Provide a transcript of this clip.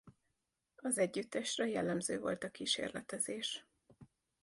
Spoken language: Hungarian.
Az együttesre jellemző volt a kísérletezés.